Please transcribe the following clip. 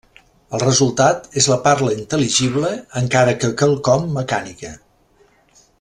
El resultat és la parla intel·ligible, encara que quelcom mecànica.